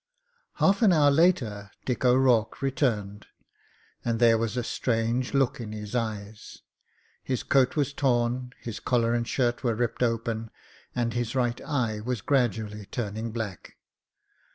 Half an hour later Dick O'Rourke returned, and there was a strange look in his eyes. His coat was torn, his collar and shirt were ripped open, and his right eye was gradually turning black.